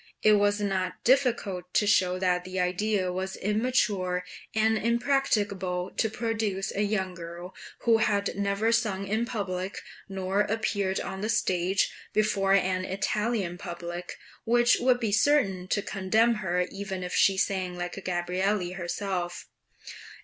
It was not difficult to show that the idea was immature and impracticable of producing a young girl, who had never sung in public, nor appeared on the stage, before an Italian public, which would be certain to condemn her even if she sang like Gabrielli herself.